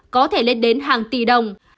có thể lên đến hàng tỷ đồng